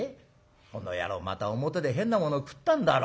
この野郎また表で変なもの食ったんだろ。